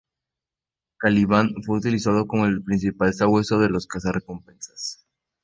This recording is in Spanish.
Caliban fue utilizado como el principal sabueso de los Cazarrecompensas.